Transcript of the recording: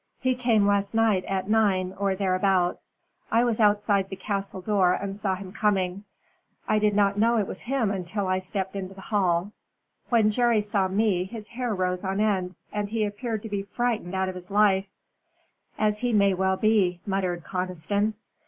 "He came last night at nine or thereabouts. I was outside the castle door and saw him coming. I did not know it was him until I stepped into the hall. When Jerry saw me, his hair rose on end, and he appeared to be frightened out of his life." "As he well may be," muttered Conniston.